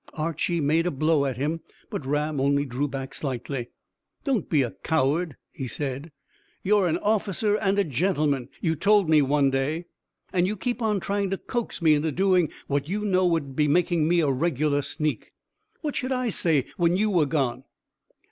Archy made a blow at him, but Ram only drew back slightly. "Don't be a coward," he said. "You're an officer and a gentleman, you told me one day, and you keep on trying to coax me into doing what you know would be making me a regular sneak. What should I say when you were gone?"